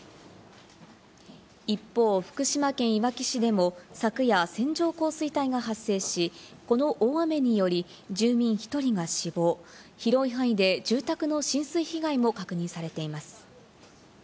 一方、福島県いわき市でも昨夜、線状降水帯が発生し、この大雨により住民１人が死亡、広い範囲で住宅の浸水被害も確認されています。